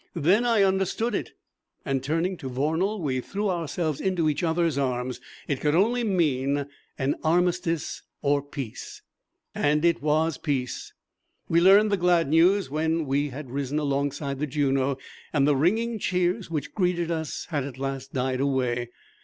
Then I understood it, and turning to Vornal, we threw ourselves into each other's arms. It could only mean an armistice or peace! And it was peace. We learned the glad news when we had risen alongside the Juno, and the ringing cheers which greeted us had at last died away.